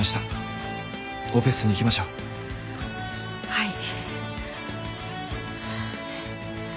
はい。